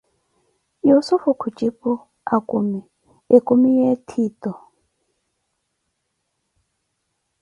Yussufu khujipu: akumi, ekumi ya ettiito.